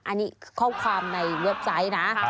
อันนี้ข้อความในเว็บไซต์นะ